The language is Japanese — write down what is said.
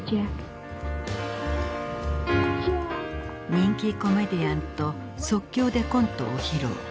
人気コメディアンと即興でコントを披露。